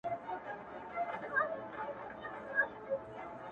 د دوبي ټکنده غرمې د ژمي سوړ سهار مي.